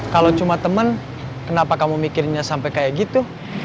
kalo cuma temen kenapa kamu mikirnya sampe kaya gitu